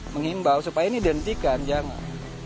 mengimbau supaya ini dihentikan jangan